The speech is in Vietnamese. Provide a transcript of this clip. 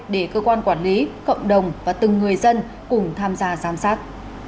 để cơ quan quản lý cộng đồng và từng người dân cùng tham gia giám sát